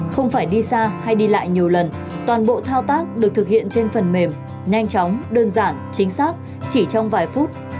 không phải đi xa hay đi lại nhiều lần toàn bộ thao tác được thực hiện trên phần mềm nhanh chóng đơn giản chính xác chỉ trong vài phút